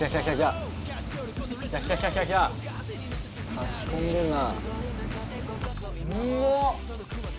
かき込んでるな。